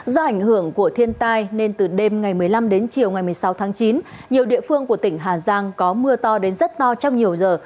do ảnh hưởng của thiên tai nên từ đêm ngày một mươi năm đến chiều ngày một mươi sáu tháng chín nhiều địa phương của tỉnh hà giang có mưa to đến rất to trong nhiều giờ